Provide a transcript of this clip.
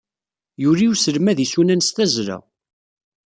Yuli uselmad isunan s tazzla.